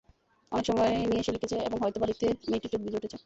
অনেক সময় নিয়ে সে লিখেছে এবং হয়তো-বা লিখতে মেয়েটির চোখ ভিজে উঠেছে।